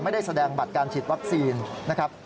ไม่ได้แสดงบัตรการฉีดวัคซีนนะครับ